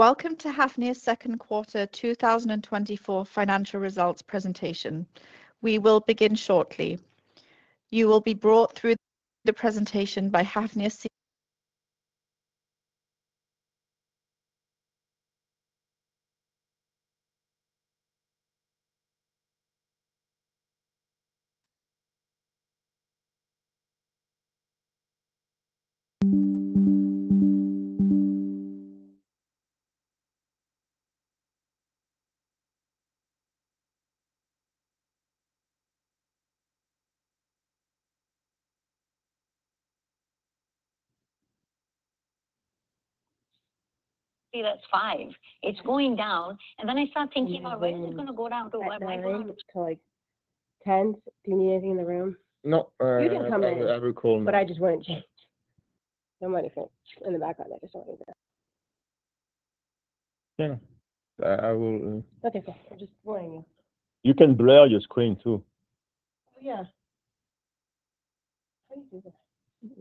Welcome to Hafnia's second quarter two thousand and twenty-four financial results presentation. We will begin shortly. You will be brought through the presentation by Hafnia. See, that's five. It's going down, and then I start thinking about, "Well, is it gonna go down to what my room? To, like, ten. Do you need anything in the room? No. You can come in. I will call me. But I just wouldn't change. Nobody think in the background. I just don't want that. Yeah, I will. Okay, cool. I'm just warning you. You can blur your screen, too. Oh, yeah. How do you do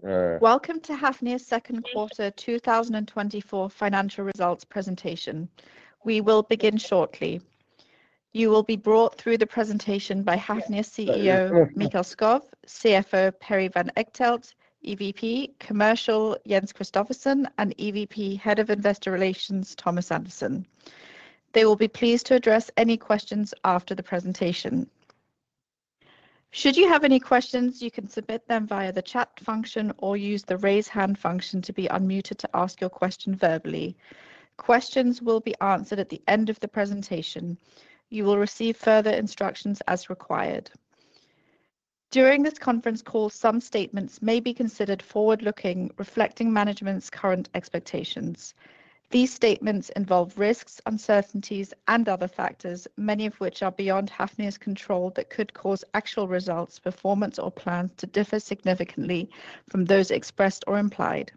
that? Welcome to Hafnia's second quarter two thousand and twenty-four financial results presentation. We will begin shortly. You will be brought through the presentation by Hafnia CEO Mikael Skov, CFO Perry van Echtelt, EVP Commercial Jens Christophersen, and EVP and Head of Investor Relations Thomas Andersen. They will be pleased to address any questions after the presentation. Should you have any questions, you can submit them via the chat function or use the Raise Hand function to be unmuted to ask your question verbally. Questions will be answered at the end of the presentation. You will receive further instructions as required. During this conference call, some statements may be considered forward-looking, reflecting management's current expectations. These statements involve risks, uncertainties, and other factors, many of which are beyond Hafnia's control, that could cause actual results, performance, or plans to differ significantly from those expressed or implied.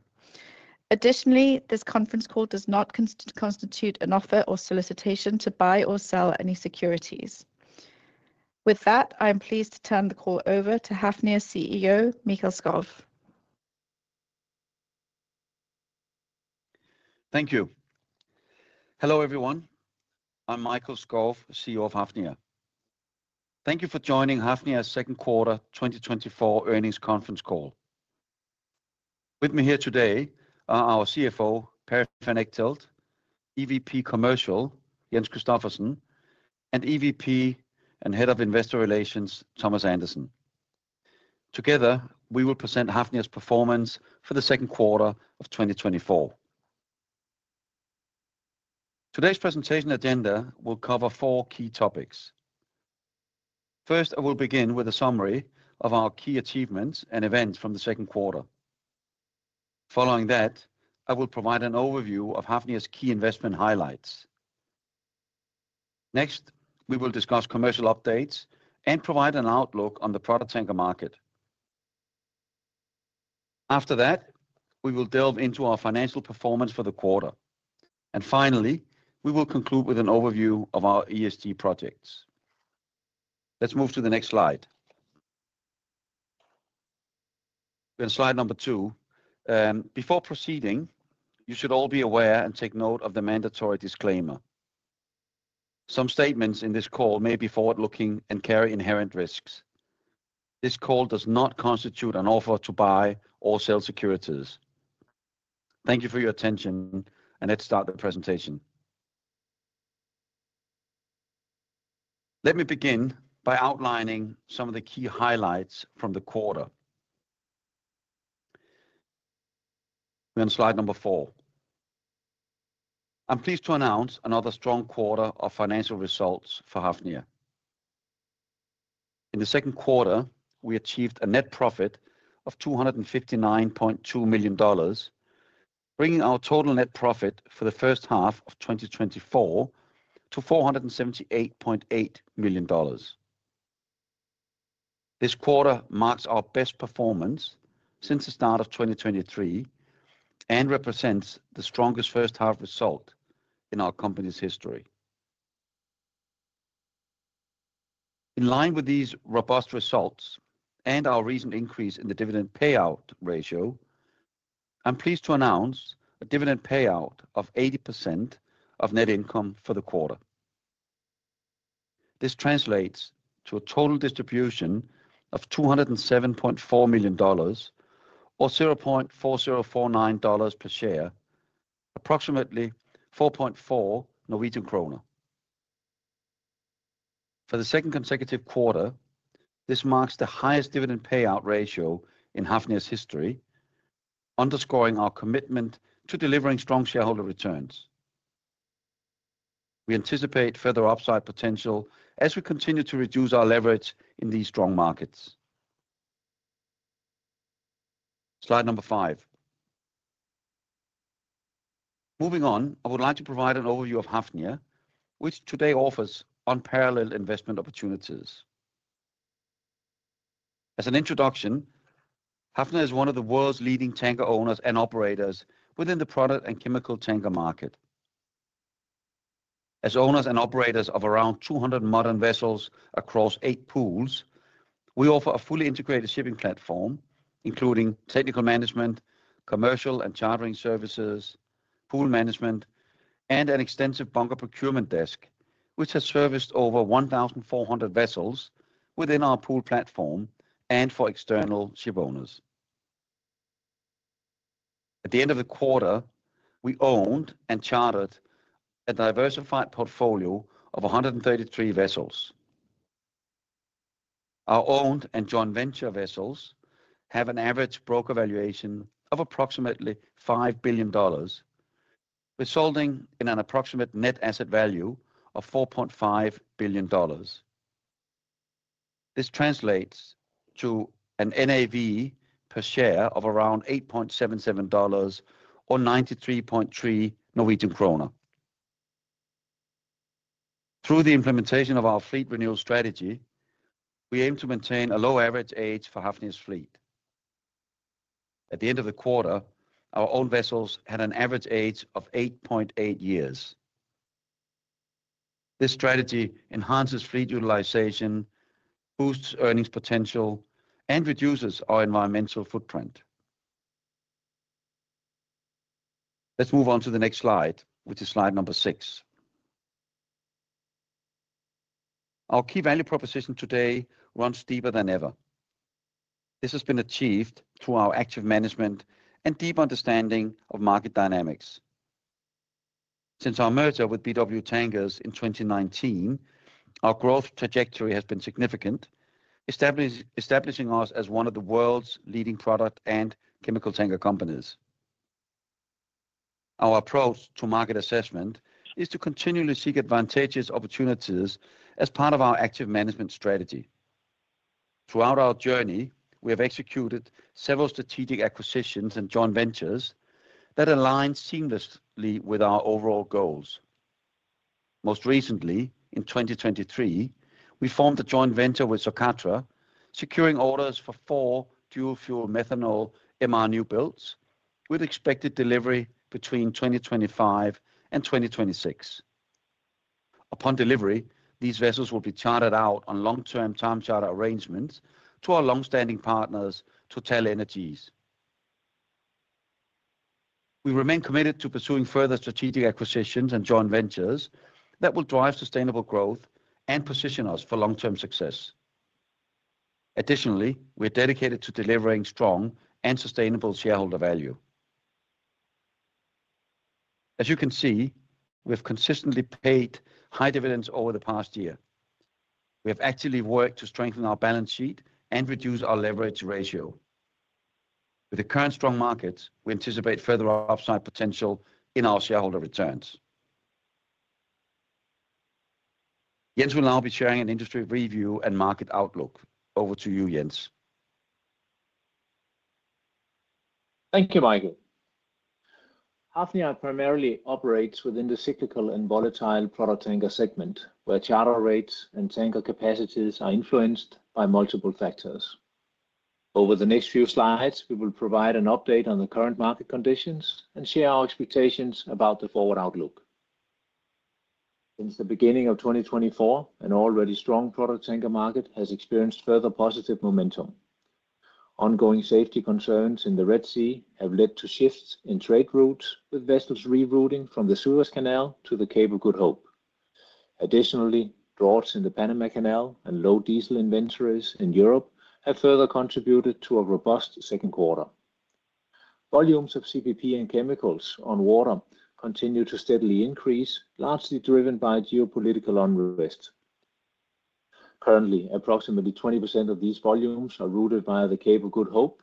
Additionally, this conference call does not constitute an offer or solicitation to buy or sell any securities. With that, I'm pleased to turn the call over to Hafnia CEO, Mikael Skov. Thank you. Hello, everyone. I'm Mikael Skov, CEO of Hafnia. Thank you for joining Hafnia's second quarter twenty twenty-four earnings Conference Call. With me here today are our CFO, Perry van Echtelt, EVP Commercial, Jens Christophersen, and EVP and Head of Investor Relations, Thomas Andersen. Together, we will present Hafnia's performance for the second quarter of twenty twenty-four. Today's presentation agenda will cover four key topics. First, I will begin with a summary of our key achievements and events from the second quarter. Following that, I will provide an overview of Hafnia's key investment highlights. Next, we will discuss commercial updates and provide an outlook on the product tanker market. After that, we will delve into our financial performance for the quarter. And finally, we will conclude with an overview of our ESG projects. Let's move to the next slide. Then, slide number two. Before proceeding, you should all be aware and take note of the mandatory disclaimer. Some statements in this call may be forward-looking and carry inherent risks. This call does not constitute an offer to buy or sell securities. Thank you for your attention, and let's start the presentation. Let me begin by outlining some of the key highlights from the quarter. We're on slide number four. I'm pleased to announce another strong quarter of financial results for Hafnia. In the second quarter, we achieved a net profit of $259.2 million, bringing our total net profit for the first half of 2024 to $478.8 million. This quarter marks our best performance since the start of 2023 and represents the strongest first half result in our company's history. In line with these robust results and our recent increase in the dividend payout ratio, I'm pleased to announce a dividend payout of 80% of net income for the quarter. This translates to a total distribution of $207.4 million or $0.4049 per share, approximately 4.4 Norwegian kroner. For the second consecutive quarter, this marks the highest dividend payout ratio in Hafnia's history, underscoring our commitment to delivering strong shareholder returns. We anticipate further upside potential as we continue to reduce our leverage in these strong markets. Slide number 5. Moving on, I would like to provide an overview of Hafnia, which today offers unparalleled investment opportunities. As an introduction, Hafnia is one of the world's leading tanker owners and operators within the product and chemical tanker market.... As owners and operators of around 200 modern vessels across eight pools, we offer a fully integrated shipping platform, including technical management, commercial and chartering services, pool management, and an extensive bunker procurement desk, which has serviced over 1,400 vessels within our pool platform and for external shipowners. At the end of the quarter, we owned and chartered a diversified portfolio of 133 vessels. Our owned and joint venture vessels have an average broker valuation of approximately $5 billion, resulting in an approximate net asset value of $4.5 billion. This translates to an NAV per share of around $8.77, or 93.3 NOK. Through the implementation of our fleet renewal strategy, we aim to maintain a low average age for Hafnia's fleet. At the end of the quarter, our own vessels had an average age of 8.8 years. This strategy enhances fleet utilization, boosts earnings potential, and reduces our environmental footprint. Let's move on to the next slide, which is slide number six. Our key value proposition today runs deeper than ever. This has been achieved through our active management and deep understanding of market dynamics. Since our merger with BW Tankers in 2019, our growth trajectory has been significant, establishing us as one of the world's leading product and chemical tanker companies. Our approach to market assessment is to continually seek advantageous opportunities as part of our active management strategy. Throughout our journey, we have executed several strategic acquisitions and joint ventures that align seamlessly with our overall goals. Most recently, in twenty twenty-three, we formed a joint venture with Socatra, securing orders for four dual-fuel methanol MR new builds, with expected delivery between twenty twenty-five and twenty twenty-six. Upon delivery, these vessels will be chartered out on long-term time charter arrangements to our long-standing partners, TotalEnergies. We remain committed to pursuing further strategic acquisitions and joint ventures that will drive sustainable growth and position us for long-term success. Additionally, we are dedicated to delivering strong and sustainable shareholder value. As you can see, we've consistently paid high dividends over the past year. We have actively worked to strengthen our balance sheet and reduce our leverage ratio. With the current strong markets, we anticipate further upside potential in our shareholder returns. Jens will now be sharing an industry review and market outlook. Over to you, Jens. Thank you, Michael. Hafnia primarily operates within the cyclical and volatile product tanker segment, where charter rates and tanker capacities are influenced by multiple factors. Over the next few slides, we will provide an update on the current market conditions and share our expectations about the forward outlook. Since the beginning of 2024, an already strong product tanker market has experienced further positive momentum. Ongoing safety concerns in the Red Sea have led to shifts in trade routes, with vessels rerouting from the Suez Canal to the Cape of Good Hope. Additionally, droughts in the Panama Canal and low diesel inventories in Europe have further contributed to a robust second quarter. Volumes of CPP and chemicals on water continue to steadily increase, largely driven by geopolitical unrest. Currently, approximately 20% of these volumes are routed via the Cape of Good Hope,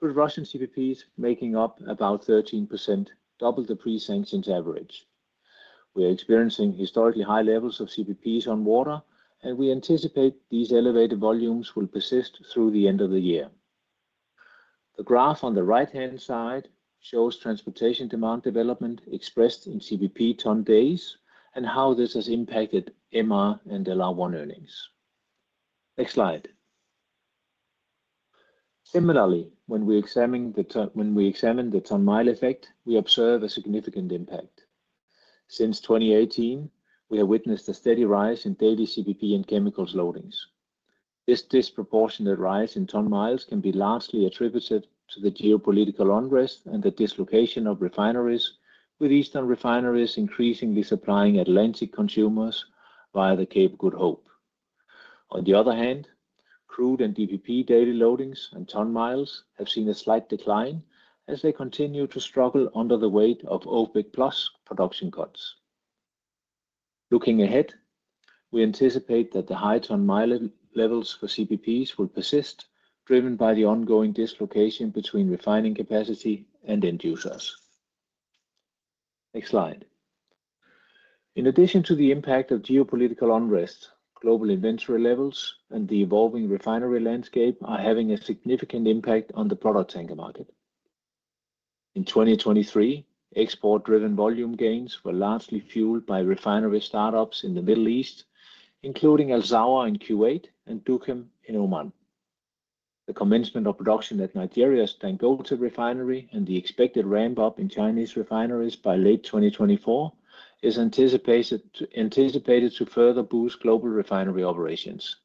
with Russian CPPs making up about 13%, double the pre-sanctions average. We are experiencing historically high levels of CPPs on water, and we anticipate these elevated volumes will persist through the end of the year. The graph on the right-hand side shows transportation demand development expressed in CPP ton-days, and how this has impacted MR and LR1 earnings. Next slide. Similarly, when we examine the ton-mile effect, we observe a significant impact. Since 2018, we have witnessed a steady rise in daily CPP and chemicals loadings. This disproportionate rise in ton miles can be largely attributed to the geopolitical unrest and the dislocation of refineries, with eastern refineries increasingly supplying Atlantic consumers via the Cape of Good Hope. On the other hand, crude and DPP daily loadings and ton miles have seen a slight decline as they continue to struggle under the weight of OPEC+ production cuts. Looking ahead, we anticipate that the high ton mile levels for CPPs will persist, driven by the ongoing dislocation between refining capacity and end users. Next slide. In addition to the impact of geopolitical unrest, global inventory levels and the evolving refinery landscape are having a significant impact on the product tanker market. In twenty twenty-three, export-driven volume gains were largely fueled by refinery startups in the Middle East, including Al Zour in Kuwait and Duqm in Oman. The commencement of production at Nigeria's Dangote Refinery and the expected ramp-up in Chinese refineries by late twenty twenty-four is anticipated to further boost global refinery operations.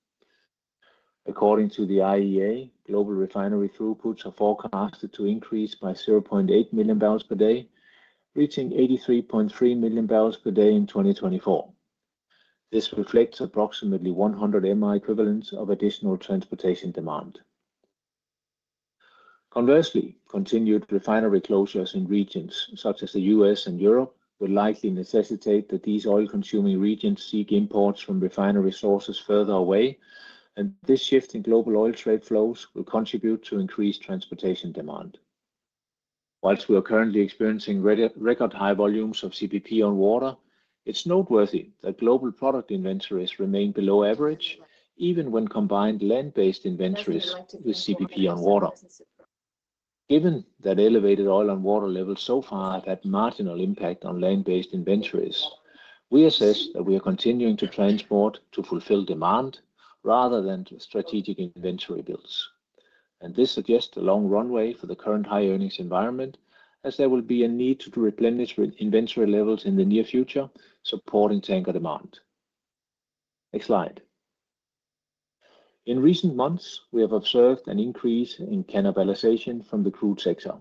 According to the IEA, global refinery throughputs are forecasted to increase by 0.8 million barrels per day, reaching 83.3 million barrels per day in 2024. This reflects approximately 100 mt equivalents of additional transportation demand. Conversely, continued refinery closures in regions such as the U.S. and Europe will likely necessitate that these oil-consuming regions seek imports from refinery sources further away, and this shift in global oil trade flows will contribute to increased transportation demand. While we are currently experiencing near-record high volumes of CPP on water, it's noteworthy that global product inventories remain below average, even when combined land-based inventories with CPP on water. Given that elevated oil on water levels so far had marginal impact on land-based inventories, we assess that we are continuing to transport to fulfill demand rather than to strategic inventory builds. This suggests a long runway for the current high earnings environment, as there will be a need to replenish inventory levels in the near future, supporting tanker demand. Next slide. In recent months, we have observed an increase in cannibalization from the crude sector,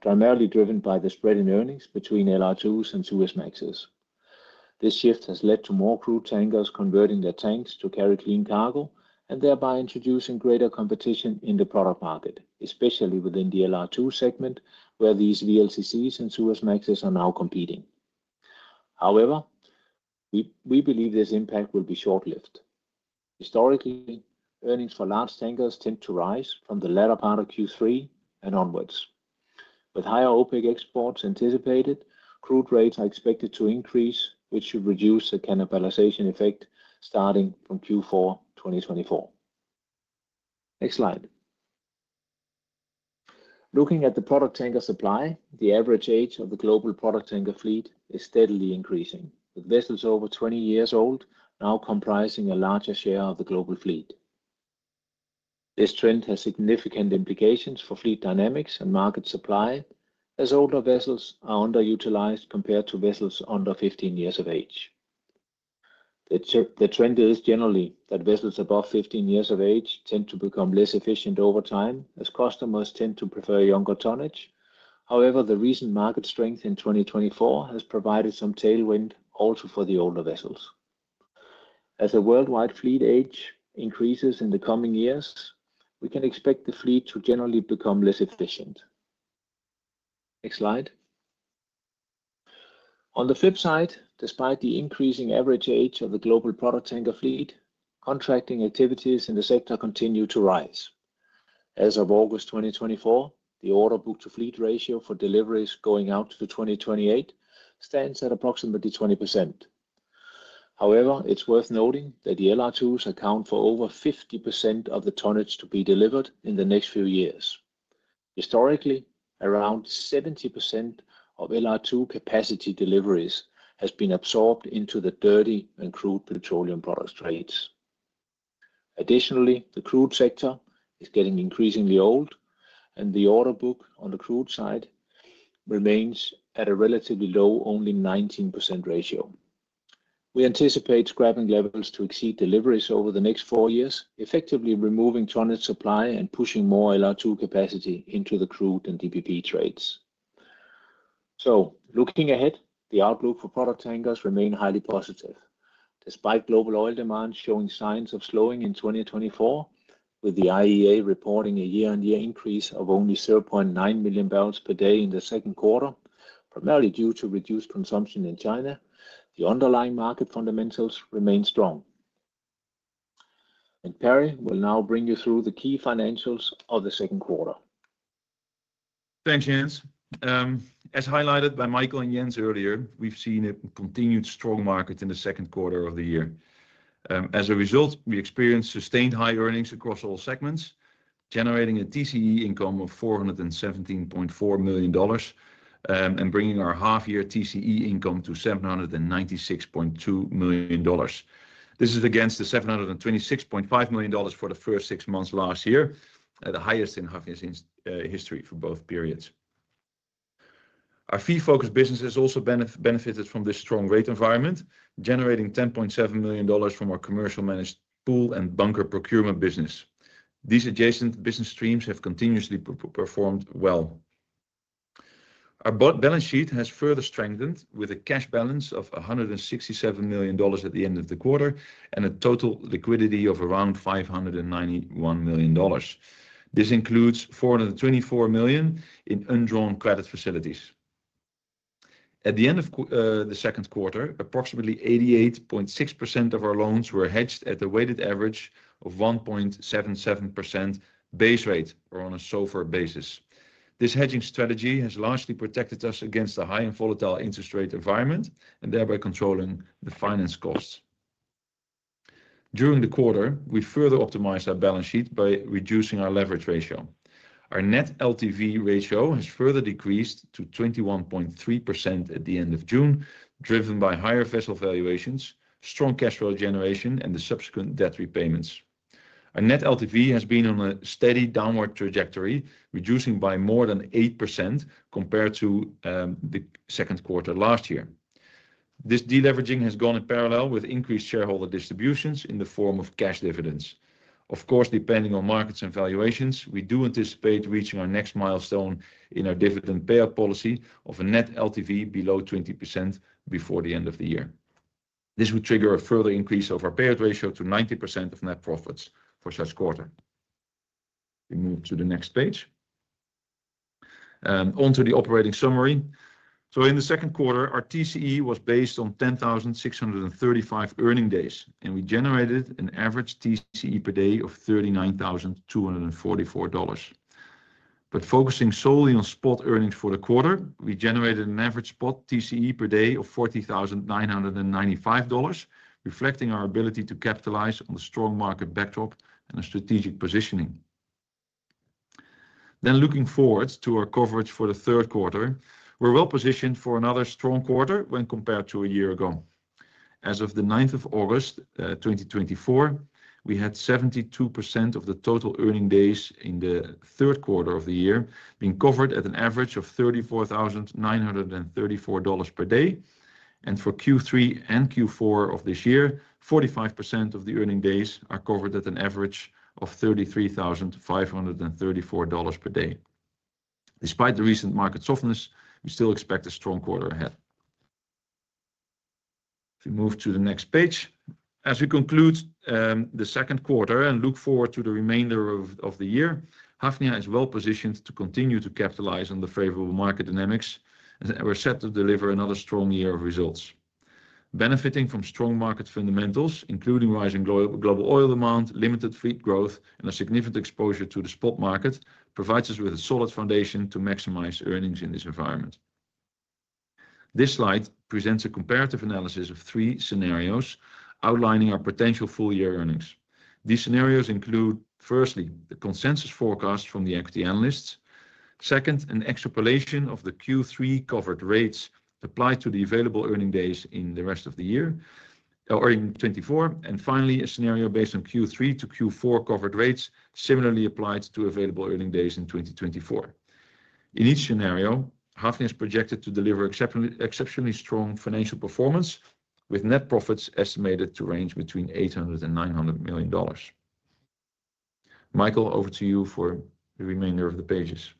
primarily driven by the spread in earnings between LR2s and Suezmaxes. This shift has led to more crude tankers converting their tanks to carry clean cargo and thereby introducing greater competition in the product market, especially within the LR2 segment, where these VLCCs and Suezmaxes are now competing. However, we believe this impact will be short-lived. Historically, earnings for large tankers tend to rise from the latter part of Q3 and onward. With higher OPEC exports anticipated, crude rates are expected to increase, which should reduce the cannibalization effect starting from Q4 2024. Next slide. Looking at the product tanker supply, the average age of the global product tanker fleet is steadily increasing, with vessels over 20 years old now comprising a larger share of the global fleet. This trend has significant implications for fleet dynamics and market supply, as older vessels are underutilized compared to vessels under 15 years of age. The trend is generally that vessels above 15 years of age tend to become less efficient over time, as customers tend to prefer younger tonnage. However, the recent market strength in 2024 has provided some tailwind also for the older vessels. As the worldwide fleet age increases in the coming years, we can expect the fleet to generally become less efficient. Next slide. On the flip side, despite the increasing average age of the global product tanker fleet, contracting activities in the sector continue to rise. As of August 2024, the order book-to-fleet ratio for deliveries going out to 2028 stands at approximately 20%. However, it's worth noting that the LR2s account for over 50% of the tonnage to be delivered in the next few years. Historically, around 70% of LR2 capacity deliveries has been absorbed into the dirty and crude petroleum products trades. Additionally, the crude sector is getting increasingly old, and the order book on the crude side remains at a relatively low, only 19% ratio. We anticipate scrapping levels to exceed deliveries over the next four years, effectively removing tonnage supply and pushing more LR2 capacity into the crude and DPP trades, so looking ahead, the outlook for product tankers remain highly positive. Despite global oil demand showing signs of slowing in 2024, with the IEA reporting a year-on-year increase of only 0.9 million barrels per day in the second quarter, primarily due to reduced consumption in China, the underlying market fundamentals remain strong, and Perry will now bring you through the key financials of the second quarter. Thanks, Jens. As highlighted by Michael and Jens earlier, we've seen a continued strong market in the second quarter of the year. As a result, we experienced sustained high earnings across all segments, generating a TCE income of $417.4 million, and bringing our half-year TCE income to $796.2 million. This is against the $726.5 million for the first six months last year, at the highest in half-year since history for both periods. Our fee-focused business has also benefited from this strong rate environment, generating $10.7 million from our commercial managed pool and bunker procurement business. These adjacent business streams have continuously performed well. Our balance sheet has further strengthened with a cash balance of $167 million at the end of the quarter and a total liquidity of around $591 million. This includes $424 million in undrawn credit facilities. At the end of the second quarter, approximately 88.6% of our loans were hedged at a weighted average of 1.77% base rate or on a SOFR basis. This hedging strategy has largely protected us against the high and volatile interest rate environment and thereby controlling the finance costs. During the quarter, we further optimized our balance sheet by reducing our leverage ratio. Our net LTV ratio has further decreased to 21.3% at the end of June, driven by higher vessel valuations, strong cash flow generation, and the subsequent debt repayments. Our net LTV has been on a steady downward trajectory, reducing by more than 8% compared to the second quarter last year. This deleveraging has gone in parallel with increased shareholder distributions in the form of cash dividends. Of course, depending on markets and valuations, we do anticipate reaching our next milestone in our dividend payout policy of a net LTV below 20% before the end of the year. This would trigger a further increase of our payout ratio to 90% of net profits for such quarter. We move to the next page. Onto the operating summary. So in the second quarter, our TCE was based on 10,635 earning days, and we generated an average TCE per day of $39,244. But focusing solely on spot earnings for the quarter, we generated an average spot TCE per day of $40,995, reflecting our ability to capitalize on the strong market backdrop and a strategic positioning. Then looking forward to our coverage for the third quarter, we're well positioned for another strong quarter when compared to a year ago. As of the ninth of August, 2024, we had 72% of the total earning days in the third quarter of the year, being covered at an average of $34,934 per day. And for Q3 and Q4 of this year, 45% of the earning days are covered at an average of $33,534 per day. Despite the recent market softness, we still expect a strong quarter ahead. If we move to the next page. As we conclude the second quarter and look forward to the remainder of the year, Hafnia is well positioned to continue to capitalize on the favorable market dynamics, and we're set to deliver another strong year of results. Benefiting from strong market fundamentals, including rising global oil demand, limited fleet growth, and a significant exposure to the spot market, provides us with a solid foundation to maximize earnings in this environment. This slide presents a comparative analysis of three scenarios outlining our potential full-year earnings. These scenarios include, firstly, the consensus forecast from the equity analysts. Second, an extrapolation of the Q3 covered rates applied to the available earning days in the rest of the year or in twenty twenty-four. And finally, a scenario based on Q3 to Q4 covered rates, similarly applied to available earning days in twenty twenty-four. In each scenario, Hafnia is projected to deliver exceptionally strong financial performance, with net profits estimated to range between $800 million and $900 million. Michael, over to you for the remainder of the pages.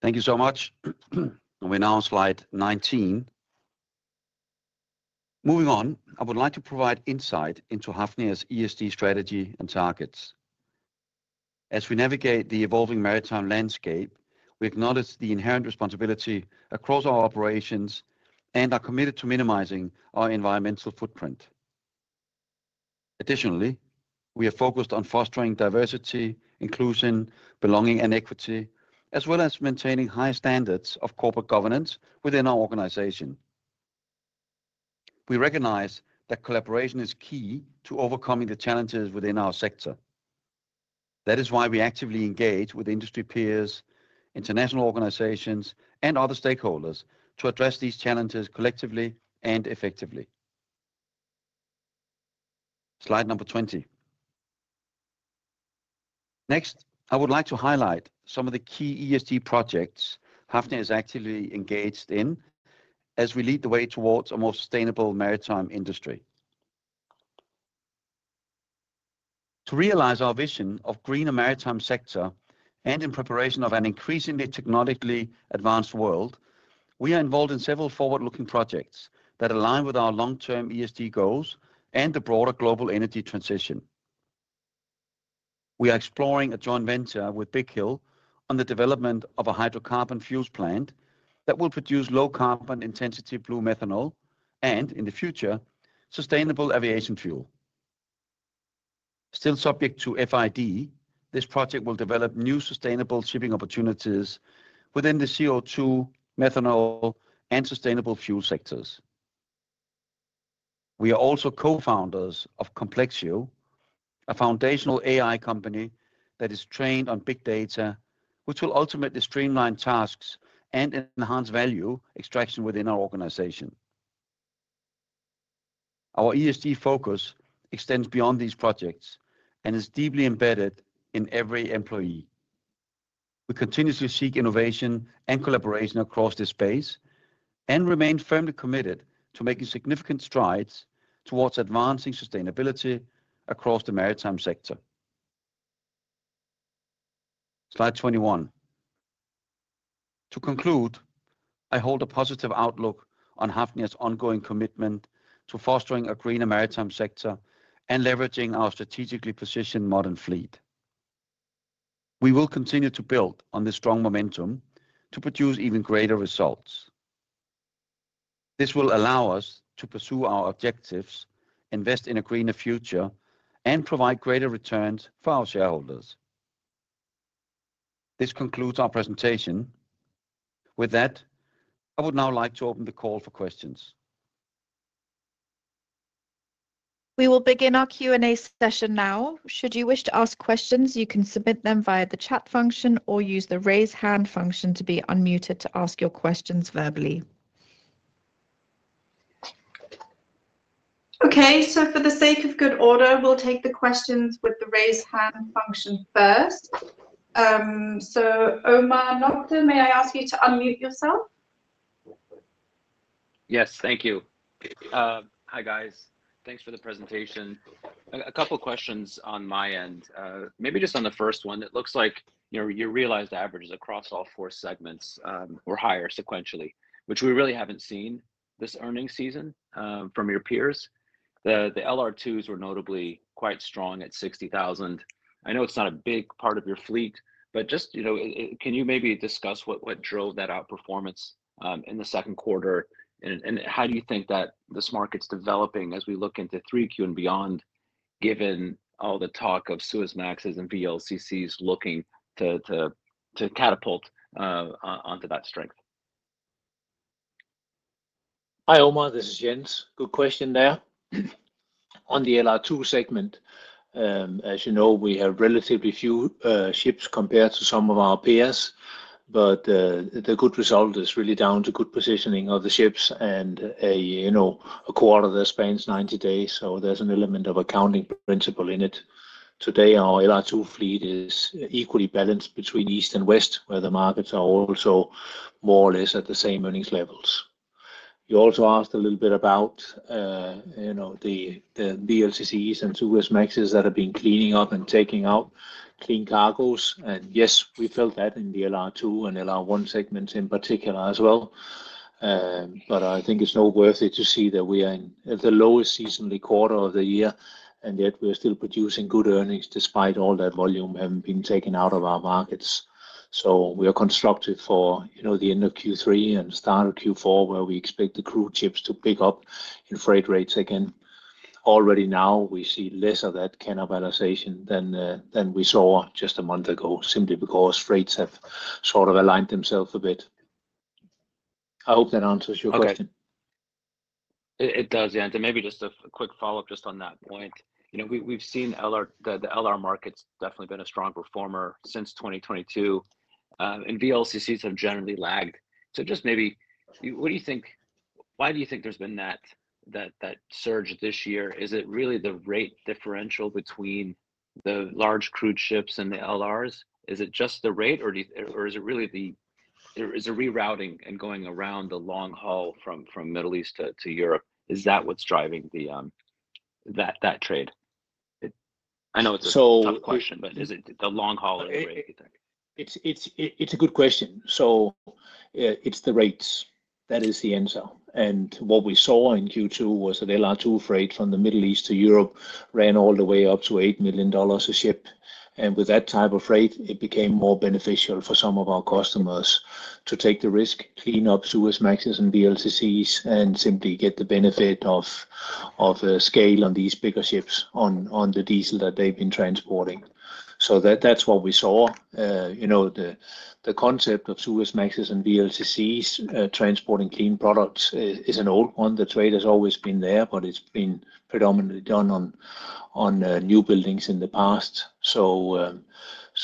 Thank you so much, and we're now on slide nineteen. Moving on, I would like to provide insight into Hafnia's ESG strategy and targets. As we navigate the evolving maritime landscape, we acknowledge the inherent responsibility across our operations and are committed to minimizing our environmental footprint. Additionally, we are focused on fostering diversity, inclusion, belonging, and equity, as well as maintaining high standards of corporate governance within our organization. We recognize that collaboration is key to overcoming the challenges within our sector. That is why we actively engage with industry peers, international organizations, and other stakeholders to address these challenges collectively and effectively. Slide number twenty. Next, I would like to highlight some of the key ESG projects Hafnia is actively engaged in as we lead the way towards a more sustainable maritime industry. To realize our vision of greener maritime sector and in preparation of an increasingly technologically advanced world, we are involved in several forward-looking projects that align with our long-term ESG goals and the broader global energy transition. We are exploring a joint venture with Big Hill on the development of a hydrocarbon fuels plant that will produce low carbon intensity blue methanol, and in the future, sustainable aviation fuel. Still subject to FID, this project will develop new sustainable shipping opportunities within the CO2, methanol, and sustainable fuel sectors. We are also co-founders of Complexio, a foundational AI company that is trained on big data, which will ultimately streamline tasks and enhance value extraction within our organization. Our ESG focus extends beyond these projects and is deeply embedded in every employee. We continuously seek innovation and collaboration across this space and remain firmly committed to making significant strides towards advancing sustainability across the maritime sector. Slide twenty-one. To conclude, I hold a positive outlook on Hafnia's ongoing commitment to fostering a greener maritime sector and leveraging our strategically positioned modern fleet. We will continue to build on this strong momentum to produce even greater results. This will allow us to pursue our objectives, invest in a greener future, and provide greater returns for our shareholders. This concludes our presentation. With that, I would now like to open the call for questions. We will begin our Q&A session now. Should you wish to ask questions, you can submit them via the chat function or use the raise hand function to be unmuted to ask your questions verbally. ... Okay, so for the sake of good order, we'll take the questions with the raise hand function first. So Omar Nokta, may I ask you to unmute yourself? Yes, thank you. Hi, guys. Thanks for the presentation. A couple questions on my end. Maybe just on the first one, it looks like, you know, you realized averages across all four segments were higher sequentially, which we really haven't seen this earnings season from your peers. The LR2s were notably quite strong at $60,000. I know it's not a big part of your fleet, but just, you know, can you maybe discuss what drove that outperformance in the second quarter? And how do you think that this market's developing as we look into 3Q and beyond, given all the talk of Suezmaxes and VLCCs looking to catapult onto that strength? Hi, Omar. This is Jens. Good question there. On the LR2 segment, as you know, we have relatively few ships compared to some of our peers, but the good result is really down to good positioning of the ships and, you know, a quarter that spans ninety days, so there's an element of accounting principle in it. Today, our LR2 fleet is equally balanced between East and West, where the markets are also more or less at the same earnings levels. You also asked a little bit about, you know, the VLCCs and Suezmaxes that have been cleaning up and taking out clean cargoes, and yes, we felt that in the LR2 and LR1 segments in particular as well. But I think it's now worth it to see that we are in the lowest seasonal quarter of the year, and yet we're still producing good earnings despite all that volume having been taken out of our markets. So we are constructive for, you know, the end of Q3 and start of Q4, where we expect the crude ships to pick up in freight rates again. Already now we see less of that cannibalization than we saw just a month ago, simply because freights have sort of aligned themselves a bit. I hope that answers your question. Okay. It does, yeah. And then maybe just a quick follow-up just on that point. You know, we've seen the LR market's definitely been a strong performer since 2022, and VLCCs have generally lagged. So just maybe, what do you think—why do you think there's been that surge this year? Is it really the rate differential between the large crude ships and the LRs? Is it just the rate, or is it really the rerouting and going around the long haul from Middle East to Europe? Is that what's driving that trade? I know it's a- So- Tough question, but is it the long haul or what do you think? It's a good question. So, it's the rates. That is the answer, and what we saw in Q2 was that LR2 freight from the Middle East to Europe ran all the way up to $8 million a ship. And with that type of rate, it became more beneficial for some of our customers to take the risk, clean up Suezmaxes and VLCCs, and simply get the benefit of the scale on these bigger ships on the diesel that they've been transporting. So that's what we saw. You know, the concept of Suezmaxes and VLCCs transporting clean products is an old one. The trade has always been there, but it's been predominantly done on new buildings in the past. So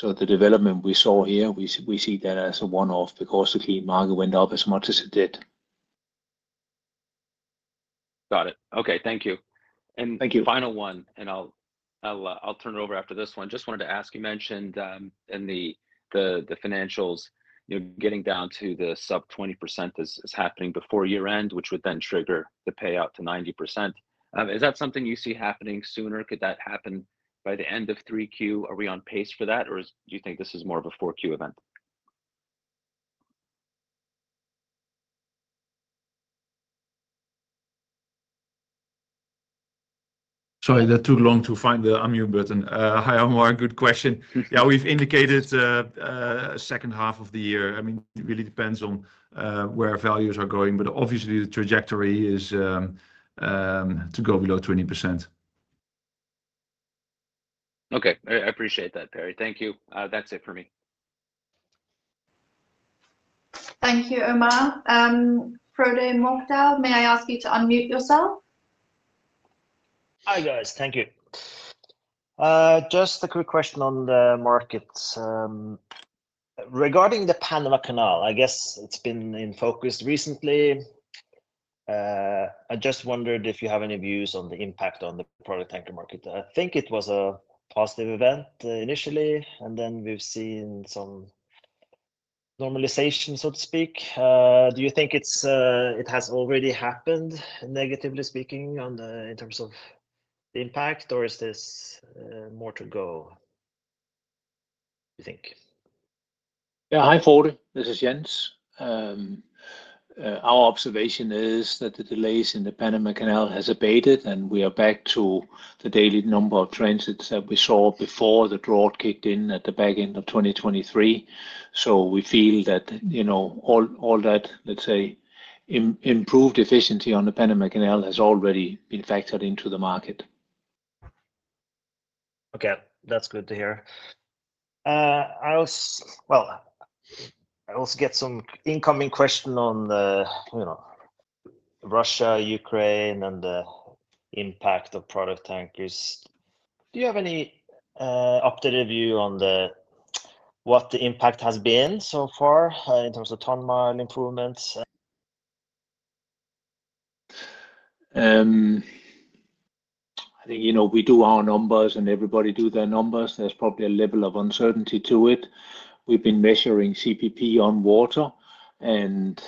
the development we saw here, we see that as a one-off because the clean market went up as much as it did. Got it. Okay, thank you. Thank you. Final one, and I'll turn it over after this one. Just wanted to ask, you mentioned in the financials, you know, getting down to the sub-20% is happening before year-end, which would then trigger the payout to 90%. Is that something you see happening sooner? Could that happen by the end of 3Q? Are we on pace for that, or do you think this is more of a 4Q event? Sorry, that took long to find the unmute button. Hi, Omar, good question. Yeah, we've indicated second half of the year. I mean, it really depends on where values are going, but obviously the trajectory is to go below 20%. Okay. I appreciate that, Perry. Thank you. That's it for me. Thank you, Omar. Frode Mørkedal, may I ask you to unmute yourself? Hi, guys. Thank you. Just a quick question on the markets. Regarding the Panama Canal, I guess it's been in focus recently. I just wondered if you have any views on the impact on the product tanker market. I think it was a positive event, initially, and then we've seen some normalization, so to speak. Do you think it's, it has already happened, negatively speaking, on the, in terms of the impact, or is this, more to go, you think? Yeah. Hi, Frode. This is Jens. Our observation is that the delays in the Panama Canal has abated, and we are back to the daily number of transits that we saw before the drought kicked in at the back end of 2023. So we feel that, you know, all that, let's say, improved efficiency on the Panama Canal has already been factored into the market. Okay, that's good to hear. I also... Well, I also get some incoming question on the, you know, Russia, Ukraine, and the impact of product tankers. Do you have any updated view on what the impact has been so far, in terms of ton mile improvements? I think, you know, we do our numbers, and everybody do their numbers. There's probably a level of uncertainty to it. We've been measuring CPP on water, and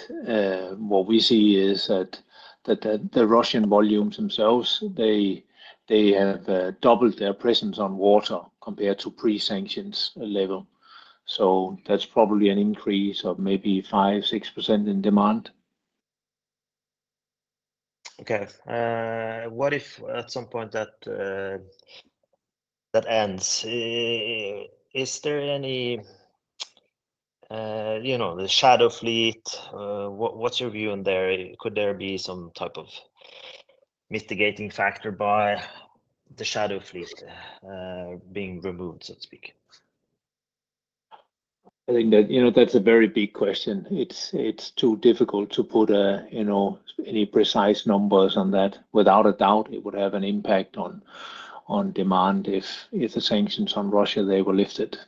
what we see is that the Russian volumes themselves, they have doubled their presence on water compared to pre-sanctions level. So that's probably an increase of maybe 5-6% in demand. Okay. What if at some point that ends, is there any, you know, the shadow fleet, what's your view on there? Could there be some type of mitigating factor by the shadow fleet being removed, so to speak? I think that, you know, that's a very big question. It's too difficult to put a, you know, any precise numbers on that. Without a doubt, it would have an impact on demand if the sanctions on Russia were lifted.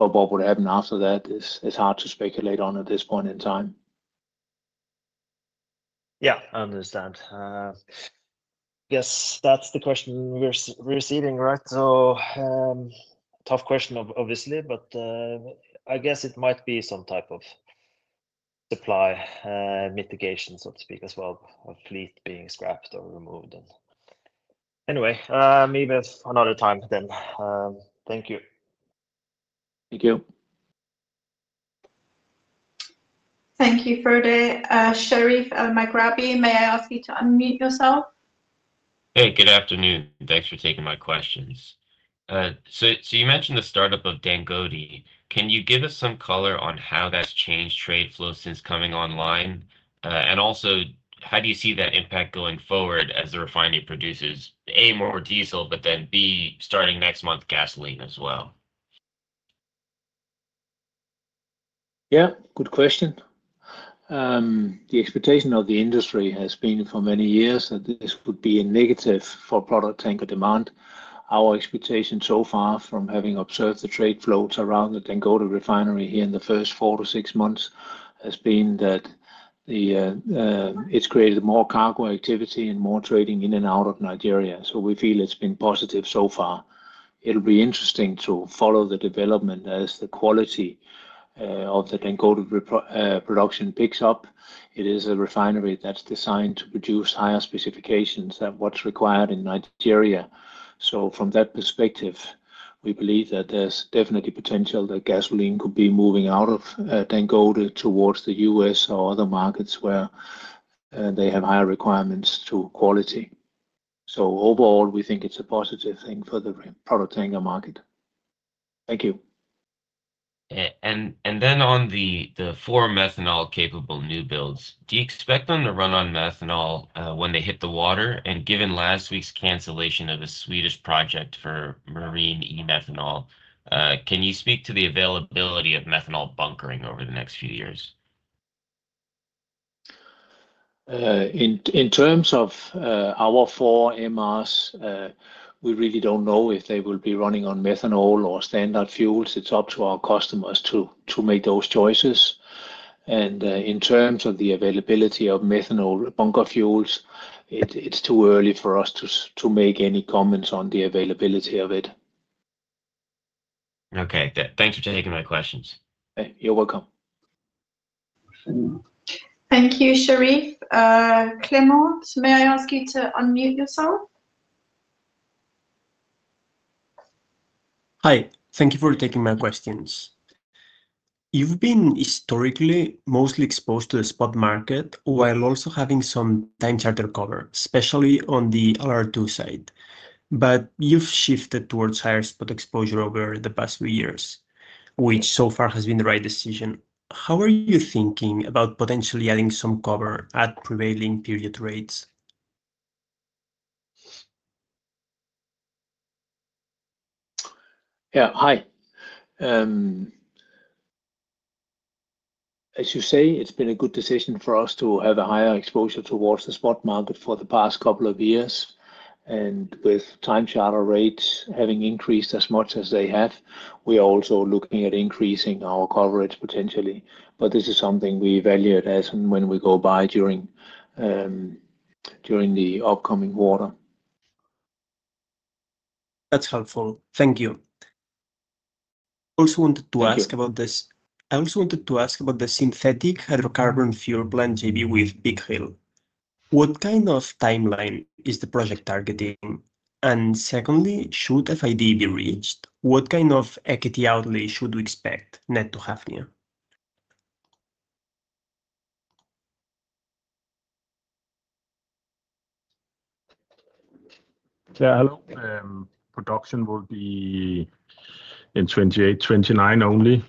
But what would happen after that is hard to speculate on at this point in time. Yeah, I understand. Guess that's the question we're seeing, right? So, tough question obviously, but I guess it might be some type of supply mitigation, so to speak, as well, of fleet being scrapped or removed and... Anyway, maybe another time then. Thank you. Thank you. Thank you, Frode. Sherif Elmaghrabi, may I ask you to unmute yourself? Hey, good afternoon. Thanks for taking my questions. So you mentioned the startup of Dangote. Can you give us some color on how that's changed trade flow since coming online? And also, how do you see that impact going forward as the refinery produces, A, more diesel, but then, B, starting next month, gasoline as well? Yeah, good question. The expectation of the industry has been for many years that this would be a negative for product tanker demand. Our expectation so far from having observed the trade flows around the Dangote Refinery here in the first four to six months has been that it's created more cargo activity and more trading in and out of Nigeria, so we feel it's been positive so far. It'll be interesting to follow the development as the quality of the Dangote Refinery production picks up. It is a refinery that's designed to produce higher specifications than what's required in Nigeria. So from that perspective, we believe that there's definitely potential that gasoline could be moving out of Dangote towards the US or other markets where they have higher requirements to quality. So overall, we think it's a positive thing for the product tanker market. Thank you. And then on the four methanol-capable new builds, do you expect them to run on methanol when they hit the water? And given last week's cancellation of a Swedish project for marine e-methanol, can you speak to the availability of methanol bunkering over the next few years? In terms of our four MRs, we really don't know if they will be running on methanol or standard fuels. It's up to our customers to make those choices. And in terms of the availability of methanol bunker fuels, it's too early for us to make any comments on the availability of it. Okay. Thanks for taking my questions. Hey, you're welcome. Thank you, Sherif. Clement, may I ask you to unmute yourself? Hi. Thank you for taking my questions. You've been historically mostly exposed to the spot market while also having some time charter cover, especially on the LR2 side. But you've shifted towards higher spot exposure over the past few years, which so far has been the right decision. How are you thinking about potentially adding some cover at prevailing period rates? Yeah. Hi. As you say, it's been a good decision for us to have a higher exposure towards the spot market for the past couple of years. And with time charter rates having increased as much as they have, we are also looking at increasing our coverage potentially. But this is something we evaluate as and when we go by during the upcoming quarter. That's helpful. Thank you. Also wanted to ask- Thank you. I also wanted to ask about the synthetic hydrocarbon fuel plant JV with Big Hill. What kind of timeline is the project targeting? And secondly, should FID be reached, what kind of equity outlay should we expect net to Hafnia? Yeah, hello. Production will be in 2028, 2029 only.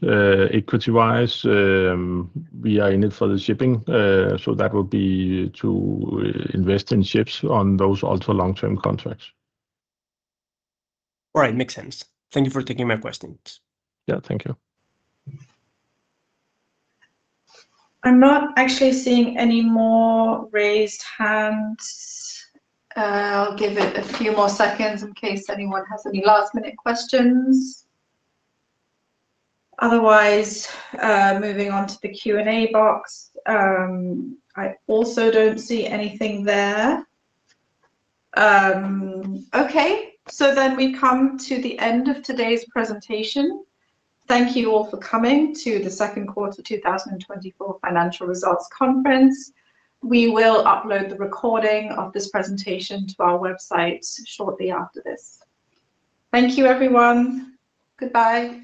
Equity-wise, we are in it for the shipping, so that would be to invest in ships on those ultra-long-term contracts. All right. Makes sense. Thank you for taking my questions. Yeah, thank you. I'm not actually seeing any more raised hands. I'll give it a few more seconds in case anyone has any last-minute questions. Otherwise, moving on to the Q&A box, I also don't see anything there. Okay, so then we come to the end of today's presentation. Thank you all for coming to the second quarter 2024 Financial Results Conference. We will upload the recording of this presentation to our website shortly after this. Thank you, everyone. Goodbye.